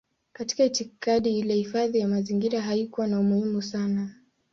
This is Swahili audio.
Katika itikadi ile hifadhi ya mazingira haikuwa na umuhimu sana.